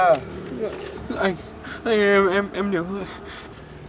anh anh em em nhớ rồi